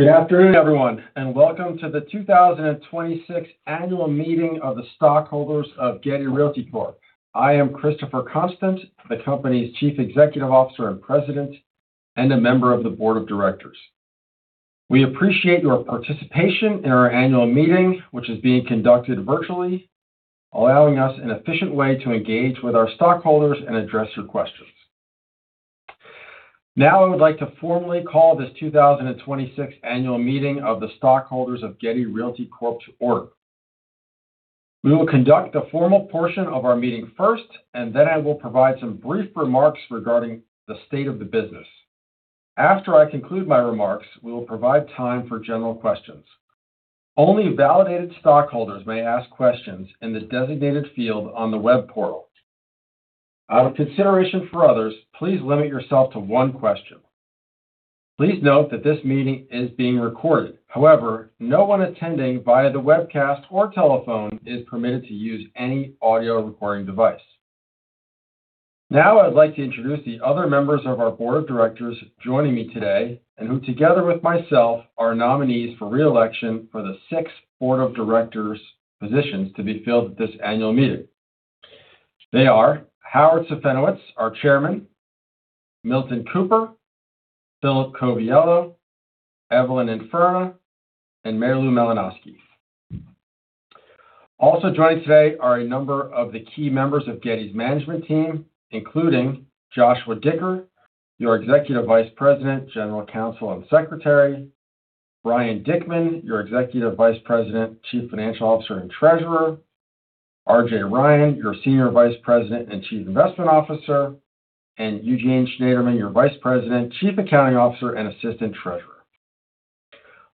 Good afternoon, everyone, and welcome to the 2026 Annual Meeting of the Stockholders of Getty Realty Corp. I am Christopher Constant, the company's Chief Executive Officer and President, and a member of the Board of Directors. We appreciate your participation in our annual meeting, which is being conducted virtually, allowing us an efficient way to engage with our stockholders and address your questions. Now, I would like to formally call this 2026 Annual Meeting of the Stockholders of Getty Realty Corp. to order. We will conduct the formal portion of our meeting first, and then I will provide some brief remarks regarding the state of the business. After I conclude my remarks, we will provide time for general questions. Only validated stockholders may ask questions in the designated field on the web portal. Out of consideration for others, please limit yourself to one question. Please note that this meeting is being recorded. However, no one attending via the webcast or telephone is permitted to use any audio recording device. Now, I would like to introduce the other members of our board of directors joining me today, and who, together with myself, are nominees for re-election for the six board of directors positions to be filled at this annual meeting. They are Howard Safenowitz, our Chairman, Milton Cooper, Philip Coviello, Evelyn Infurna, and Mary Lou Malanoski. Also joining today are a number of the key members of Getty's management team, including Joshua Dicker, your Executive Vice President, General Counsel, and Secretary, Brian Dickman, your Executive Vice President, Chief Financial Officer, and Treasurer, RJ Ryan, your Senior Vice President and Chief Investment Officer, and Eugene Shnayderman, your Vice President, Chief Accounting Officer, and Assistant Treasurer.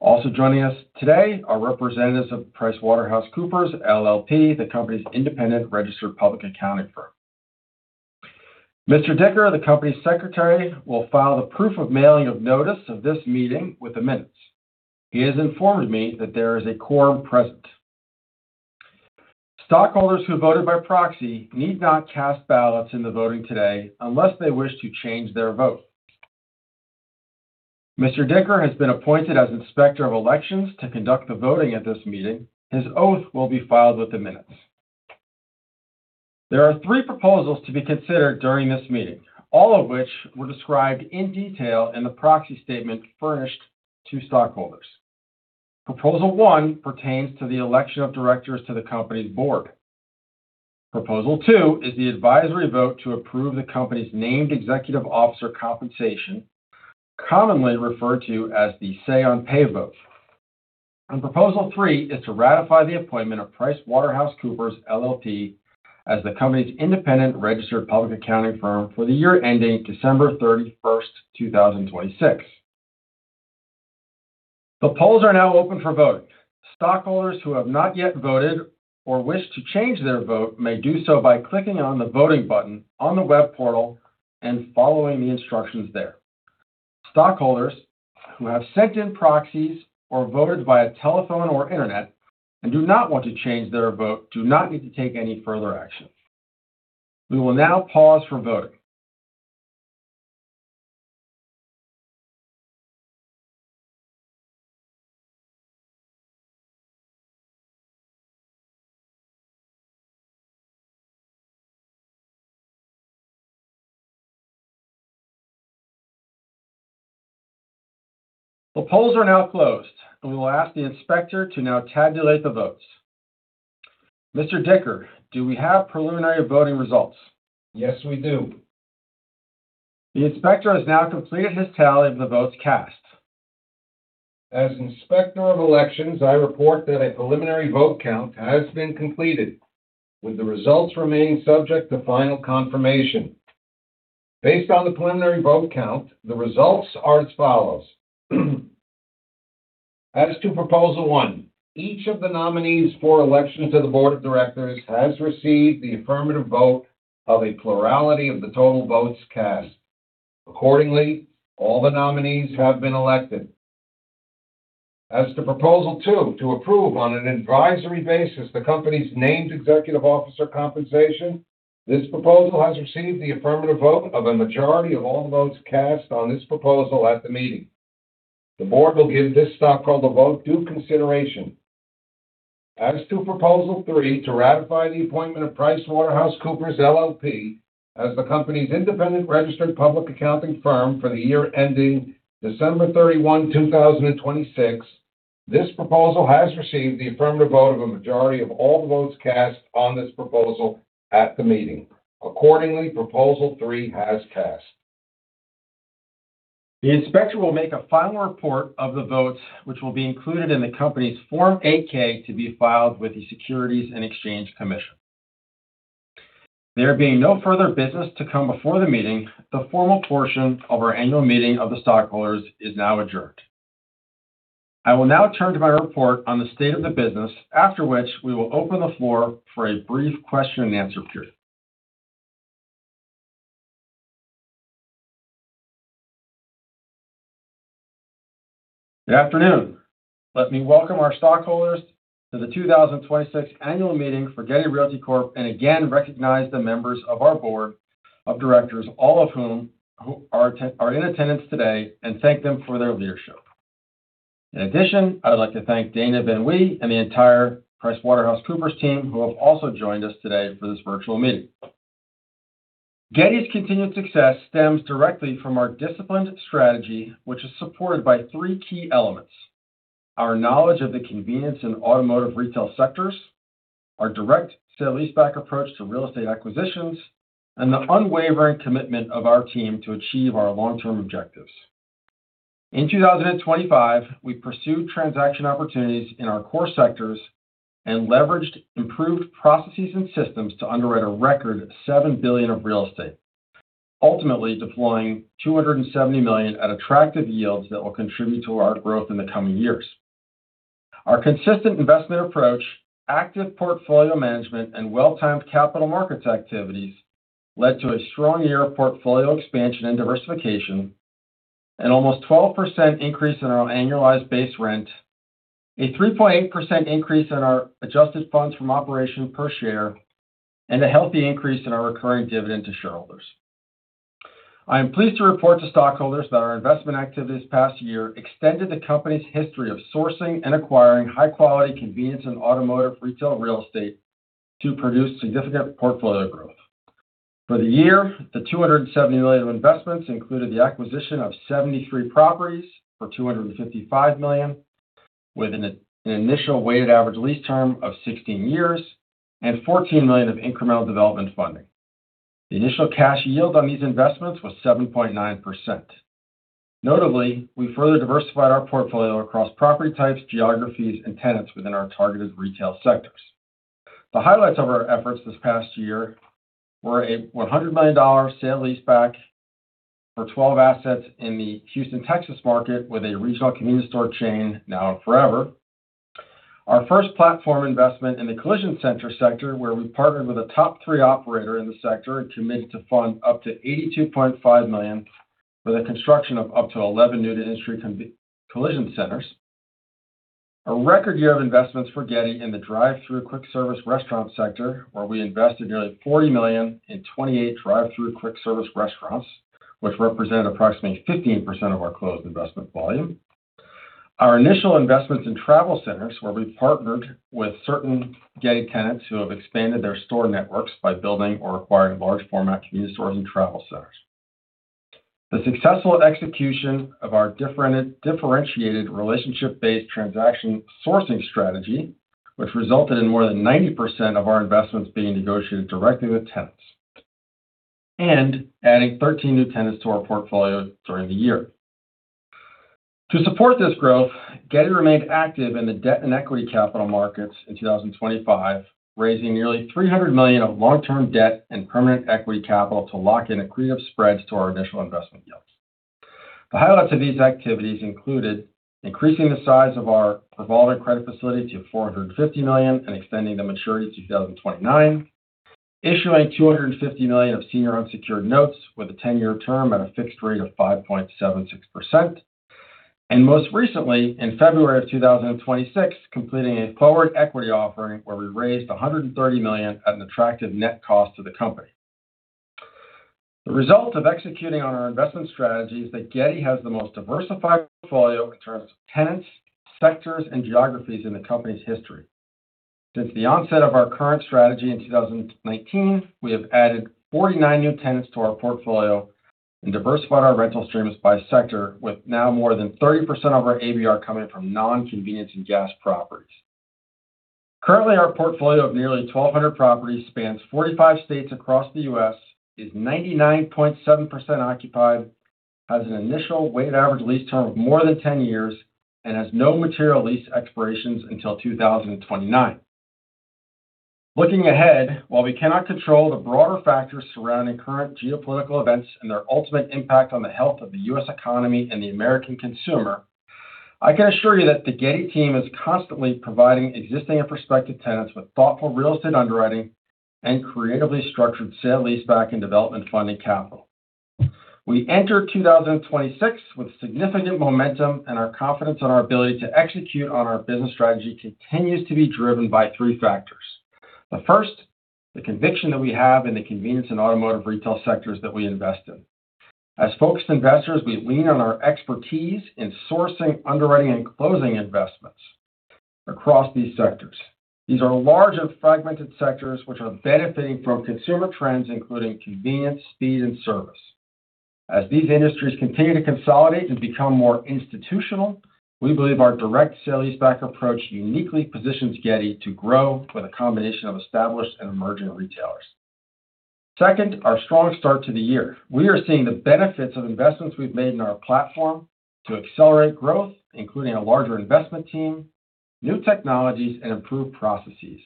Also joining us today are representatives of PricewaterhouseCoopers, LLP, the company's independent registered public accounting firm. Mr. Dicker, the company's Secretary, will file the proof of mailing of notice of this meeting with the minutes. He has informed me that there is a quorum present. Stockholders who voted by proxy need not cast ballots in the voting today unless they wish to change their vote. Mr. Dicker has been appointed as Inspector of Elections to conduct the voting at this meeting. His oath will be filed with the minutes. There are three proposals to be considered during this meeting, all of which were described in detail in the proxy statement furnished to stockholders. Proposal one pertains to the election of directors to the company's board. Proposal two is the advisory vote to approve the company's named executive officer compensation, commonly referred to as the Say-on-Pay vote. Proposal three is to ratify the appointment of PricewaterhouseCoopers, LLP as the company's independent registered public accounting firm for the year ending December 31st, 2026. The polls are now open for voting. Stockholders who have not yet voted or wish to change their vote may do so by clicking on the voting button on the web portal and following the instructions there. Stockholders who have sent in proxies or voted via telephone or internet and do not want to change their vote do not need to take any further action. We will now pause for voting. The polls are now closed, and we will ask the inspector to now tabulate the votes. Mr. Dicker, do we have preliminary voting results? Yes, we do. The inspector has now completed his tally of the votes cast. As Inspector of Elections, I report that a preliminary vote count has been completed, with the results remaining subject to final confirmation. Based on the preliminary vote count, the results are as follows. As to proposal one, each of the nominees for election to the board of directors has received the affirmative vote of a plurality of the total votes cast. Accordingly, all the nominees have been elected. As to proposal two, to approve on an advisory basis the company's named executive officer compensation, this proposal has received the affirmative vote of a majority of all votes cast on this proposal at the meeting. The board will give this stockholder vote due consideration. As to proposal 3, to ratify the appointment of PricewaterhouseCoopers, LLP as the company's independent registered public accounting firm for the year ending December 31st, 2026, this proposal has received the affirmative vote of a majority of all the votes cast on this proposal at the meeting. Accordingly, proposal 3 has passed. The inspector will make a final report of the votes, which will be included in the company's Form 8-K to be filed with the Securities and Exchange Commission. There being no further business to come before the meeting, the formal portion of our annual meeting of the stockholders is now adjourned. I will now turn to my report on the state of the business, after which we will open the floor for a brief question and answer period. Good afternoon. Let me welcome our stockholders to the 2026 annual meeting for Getty Realty Corp. and again recognize the members of our board of directors, all of whom are in attendance today, and thank them for their leadership. In addition, I would like to thank Dana Benway and the entire PricewaterhouseCoopers team, who have also joined us today for this virtual meeting. Getty's continued success stems directly from our disciplined strategy, which is supported by three key elements, our knowledge of the convenience and automotive retail sectors, our direct sale-leaseback approach to real estate acquisitions, and the unwavering commitment of our team to achieve our long-term objectives. In 2025, we pursued transaction opportunities in our core sectors and leveraged improved processes and systems to underwrite a record $7 billion of real estate, ultimately deploying $270 million at attractive yields that will contribute to our growth in the coming years. Our consistent investment approach, active portfolio management, and well-timed capital markets activities led to a strong year of portfolio expansion and diversification, an almost 12% increase in our annualized base rent, a 3.8% increase in our adjusted funds from operations per share, and a healthy increase in our recurring dividend to shareholders. I am pleased to report to stockholders that our investment activity this past year extended the company's history of sourcing and acquiring high-quality convenience and automotive retail real estate to produce significant portfolio growth. For the year, the $270 million of investments included the acquisition of 73 properties for $255 million, with an initial weighted average lease term of 16 years and $14 million of incremental development funding. The initial cash yield on these investments was 7.9%. Notably, we further diversified our portfolio across property types, geographies, and tenants within our targeted retail sectors. The highlights of our efforts this past year were a $100 million sale-leaseback for 12 assets in the Houston, Texas market with a regional community store chain, Now & Forever. Our first platform investment in the collision center sector, where we partnered with a top 3 operator in the sector and committed to fund up to $82.5 million for the construction of up to 11 new to industry collision centers. A record year of investments for Getty in the drive-through quick service restaurant sector, where we invested nearly $40 million in 28 drive-through quick service restaurants, which represent approximately 15% of our closed investment volume. Our initial investments in travel centers, where we partnered with certain Getty tenants who have expanded their store networks by building or acquiring large format community stores and travel centers. The successful execution of our differentiated relationship-based transaction sourcing strategy, which resulted in more than 90% of our investments being negotiated directly with tenants. Adding 13 new tenants to our portfolio during the year. To support this growth, Getty remained active in the debt and equity capital markets in 2025, raising nearly $300 million of long-term debt and permanent equity capital to lock in accretive spreads to our initial investment yields. The highlights of these activities included increasing the size of our revolving credit facility to $450 million and extending the maturity to 2029, issuing $250 million of senior unsecured notes with a 10-year term at a fixed rate of 5.76%, and most recently, in February of 2026, completing a forward equity offering where we raised $130 million at an attractive net cost to the company. The result of executing on our investment strategy is that Getty has the most diversified portfolio in terms of tenants, sectors, and geographies in the company's history. Since the onset of our current strategy in 2019, we have added 49 new tenants to our portfolio and diversified our rental streams by sector, with now more than 30% of our ABR coming from non-convenience and gas properties. Currently, our portfolio of nearly 1,200 properties spans 45 states across the U.S., is 99.7% occupied, has an initial weighted average lease term of more than 10 years, and has no material lease expirations until 2029. Looking ahead, while we cannot control the broader factors surrounding current geopolitical events and their ultimate impact on the health of the U.S. economy and the American consumer, I can assure you that the Getty team is constantly providing existing and prospective tenants with thoughtful real estate underwriting and creatively structured sale-leaseback and development funding capital. We enter 2026 with significant momentum, and our confidence in our ability to execute on our business strategy continues to be driven by three factors. The first is the conviction that we have in the convenience and automotive retail sectors that we invest in. As focused investors, we lean on our expertise in sourcing, underwriting, and closing investments across these sectors. These are large and fragmented sectors which are benefiting from consumer trends including convenience, speed, and service. As these industries continue to consolidate and become more institutional, we believe our direct sale-leaseback approach uniquely positions Getty to grow with a combination of established and emerging retailers. Second, our strong start to the year. We are seeing the benefits of investments we've made in our platform to accelerate growth, including a larger investment team, new technologies, and improved processes.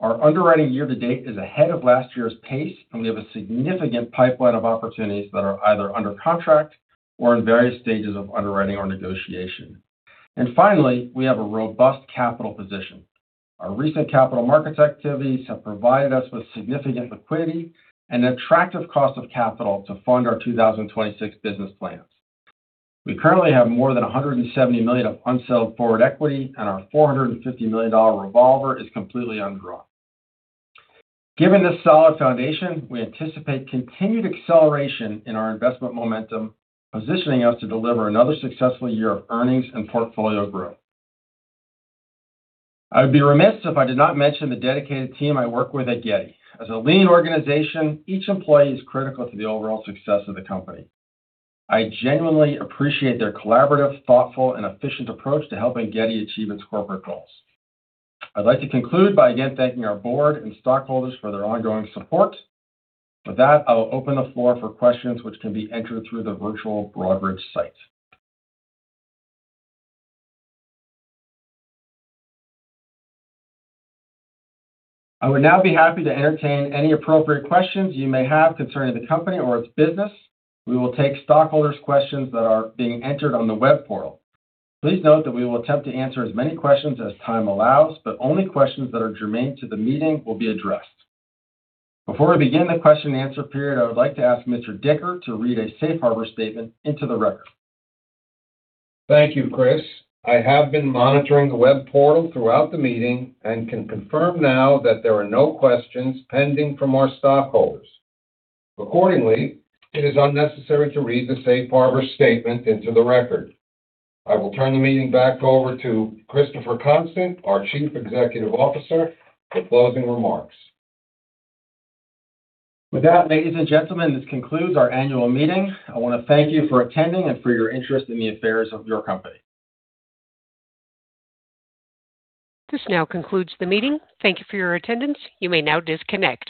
Our underwriting year to date is ahead of last year's pace, and we have a significant pipeline of opportunities that are either under contract or in various stages of underwriting or negotiation. Finally, we have a robust capital position. Our recent capital markets activities have provided us with significant liquidity and attractive cost of capital to fund our 2026 business plans. We currently have more than $170 million of unsold forward equity, and our $450 million revolver is completely undrawn. Given this solid foundation, we anticipate continued acceleration in our investment momentum, positioning us to deliver another successful year of earnings and portfolio growth. I would be remiss if I did not mention the dedicated team I work with at Getty. As a lean organization, each employee is critical to the overall success of the company. I genuinely appreciate their collaborative, thoughtful, and efficient approach to helping Getty achieve its corporate goals. I'd like to conclude by again thanking our board and stockholders for their ongoing support. With that, I will open the floor for questions which can be entered through the virtual Broadridge site. I would now be happy to entertain any appropriate questions you may have concerning the company or its business. We will take stockholders' questions that are being entered on the web portal. Please note that we will attempt to answer as many questions as time allows, but only questions that are germane to the meeting will be addressed. Before we begin the question and answer period, I would like to ask Mr. Dicker to read a safe harbor statement into the record. Thank you, Chris. I have been monitoring the web portal throughout the meeting and can confirm now that there are no questions pending from our stockholders. Accordingly, it is unnecessary to read the safe harbor statement into the record. I will turn the meeting back over to Christopher Constant, our Chief Executive Officer, for closing remarks. With that, ladies and gentlemen, this concludes our annual meeting. I want to thank you for attending and for your interest in the affairs of your company. This now concludes the meeting. Thank you for your attendance. You may now disconnect.